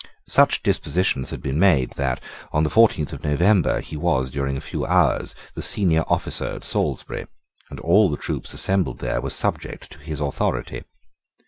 Such dispositions had been made that, on the fourteenth of November, he was, during a few hours, the senior officer at Salisbury, and all the troops assembled there were subject to his authority.